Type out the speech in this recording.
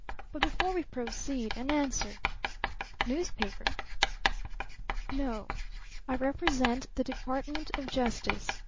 But before we proceed, an answer. Newspaper?" "No. I represent the Department of Justice.